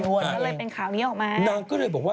ก็เลยเป็นข่าวนี้ออกมา